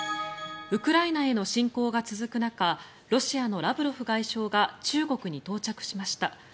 ウクライナへの侵攻が続く中ロシアのラブロフ外相が中国に到着しました。